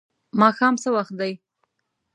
ماښام څه وخت دی؟